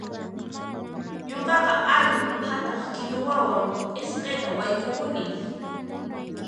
Nuqaqa allin phataq kinuwawan p'isqita wayk'ukuni.